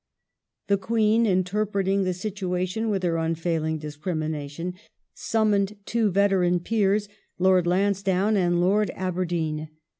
The Queen, interpreting the situation with her unfailing discrimination, summoned two veteran Peers, Lord Lansdowne and Lord Aberdeen.